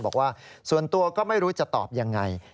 บอกว่าส่วนตัวก็ไม่รู้จะตอบยังไง